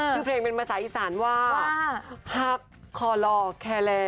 ชื่อเพลงเป็นภาษาอีสานว่าฮักคอลอแคร์แล